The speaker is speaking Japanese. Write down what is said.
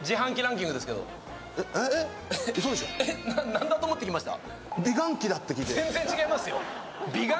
何だと思って来ました？